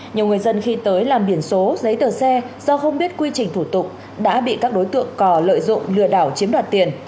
nhiều người dân khi tới làm biển số giấy tờ xe do không biết quy trình thủ tục đã bị các đối tượng cò lợi dụng lừa đảo chiếm đoạt tiền